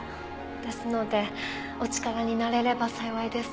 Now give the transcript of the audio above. ですのでお力になれれば幸いです。